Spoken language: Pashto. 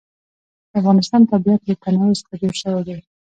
د افغانستان طبیعت له تنوع څخه جوړ شوی دی.